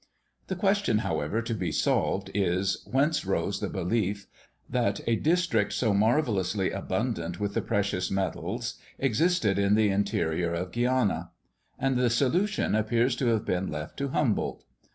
The question, however, to be solved is, whence arose the belief that a district so marvellously abundant with the precious metals existed in the interior of Guiana; and the solution appears to have been left to Humboldt.